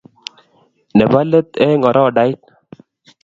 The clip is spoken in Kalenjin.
Ne bo let eng orodait.